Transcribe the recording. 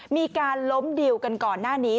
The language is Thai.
มีการล้มดิวกันก่อนหน้านี้